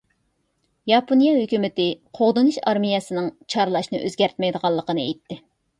ياپونىيە ھۆكۈمىتى قوغدىنىش ئارمىيەسىنىڭ چارلاشنى ئۆزگەرتمەيدىغانلىقىنى ئېيتتى.